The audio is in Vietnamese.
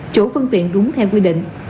chủ phương tiện đúng theo quy định